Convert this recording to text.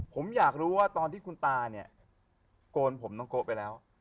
ผมอยากรู้ว่าตอนที่คุณตาเนี่ยโกนผมน้องโกะไปแล้ว